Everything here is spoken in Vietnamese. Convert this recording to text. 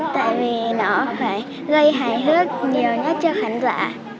tại vì nó phải gây hài hước nhiều nhất cho khán giả